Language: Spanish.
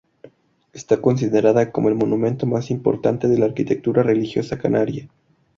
Está considerada como el monumento más importante de la arquitectura religiosa canaria.